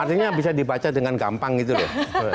artinya bisa dibaca dengan gampang gitu deh